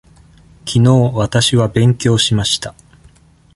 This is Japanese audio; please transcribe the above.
きのうわたしは勉強しました。